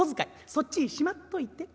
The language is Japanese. そっちにしまっといて」。